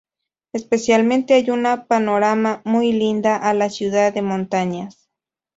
Especialmente hay una panorama muy linda a la ciudad de montañas.